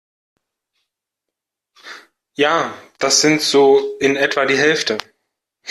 Ja, das sind so in etwa die Hälfte.